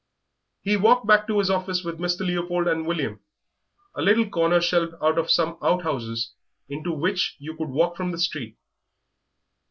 He walked back to his office with Mr. Leopold and William, a little corner shelved out of some out houses, into which you could walk from the street.